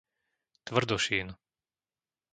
Tvrdošín